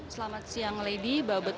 selamat siang lady